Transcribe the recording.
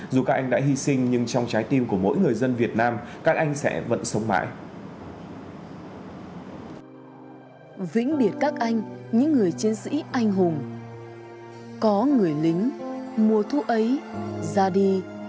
dù các anh đã hy sinh nhưng trong trái tim của mỗi người dân việt nam các anh sẽ vẫn sống mãi